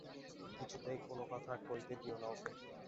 কিছুতেই কোনো কথা কইতে দিয়ো না ওঁকে।